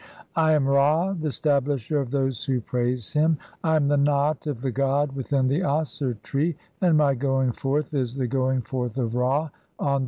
"I am Ra, the stablisher of those who praise [him]. (5) I am "the knot of the god within the Aser tree, and my going forth "is the going forth [of Ra] on this day."